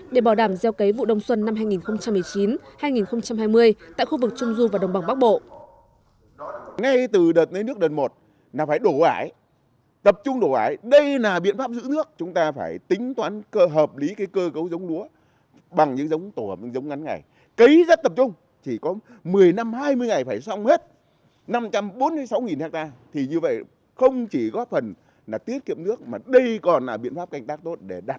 để bảo đảm gieo cấy vụ đông xuân năm hai nghìn một mươi chín hai nghìn hai mươi tại khu vực trung du và đông bằng bắc bộ